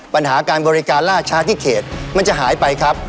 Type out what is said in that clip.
ปัญหาการบริการล่าช้าที่เขตมันจะหายไปครับ